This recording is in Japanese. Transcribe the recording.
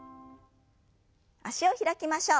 脚を開きましょう。